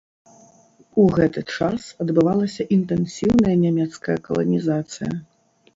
У гэты час адбывалася інтэнсіўная нямецкая каланізацыя.